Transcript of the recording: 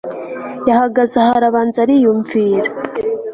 yahagaze aho arabanza ariyumvira